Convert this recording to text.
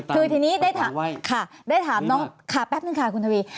คือทีนี้ได้ถามค่ะได้ถามน้องค่ะแป๊บนึงค่ะคุณทวี